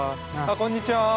◆こんにちはー。